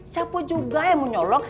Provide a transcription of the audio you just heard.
siapa juga yang mau nyolong